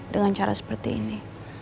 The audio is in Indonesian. dengan cara seperti ini